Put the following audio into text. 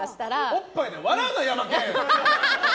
おっぱいで笑うな、ヤマケン！